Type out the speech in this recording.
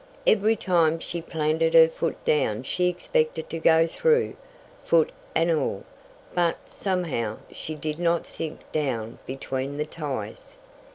Every time she planted her foot down she expected to go through, foot and all, but, somehow, she did not sink down between the ties.